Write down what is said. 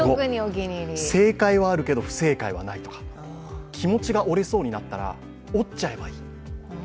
正解はあるけど、不正解はないとか気持ちが折れそうになったら、折っちゃえばいい。